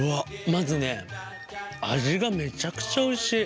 まずね味がめちゃくちゃおいしい。